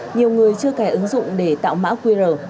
nhiều người chưa cài ứng dụng để tạo mã qr